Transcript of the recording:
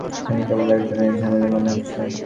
এখানে কেবল একজনকেই ঝামেলার মনে হচ্ছে।